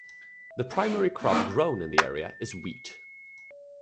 The primary crop grown in the area is wheat.